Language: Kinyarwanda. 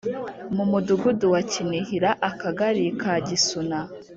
mu Mudugudu wa Kinihira Akagari ka Gisuna